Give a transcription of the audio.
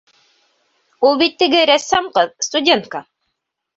Ул бит теге рәссам ҡыҙ, студентка.